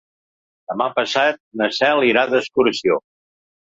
Demà passat na Cel irà d'excursió.